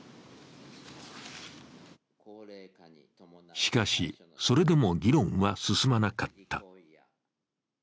しかし、それでも議論は進まなかった。